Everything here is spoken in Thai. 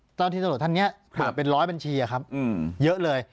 เจ้าหน้าที่ตำรวจท่านเนี่ยถูกเป็นร้อยบัญชีอะครับเยอะเลย